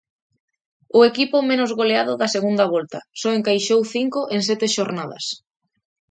O equipo menos goleado da segunda volta, só encaixou cinco en sete xornadas.